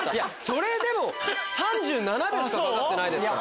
それでも３７秒しかかかってないですから。